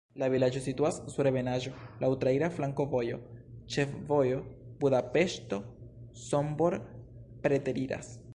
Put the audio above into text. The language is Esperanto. La vilaĝo situas sur ebenaĵo, laŭ traira flankovojo, ĉefvojo Budapeŝto-Sombor preteriras.